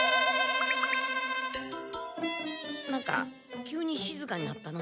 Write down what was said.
なんか急にしずかになったな。